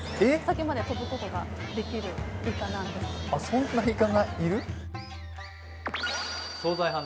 そんなイカがいる？